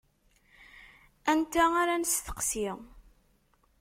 Anta ara nesteqsi?